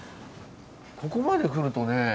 ここまで来るとね